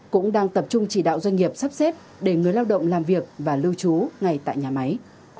cũng đang tập trung chỉ đạo doanh nghiệp sắp xếp để người lao động làm việc và lưu trú ngay tại nhà máy